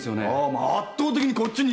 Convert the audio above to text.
もう圧倒的にこっちに有利だよ。